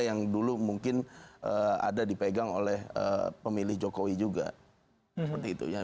yang dulu mungkin ada dipegang oleh pemilih jokowi juga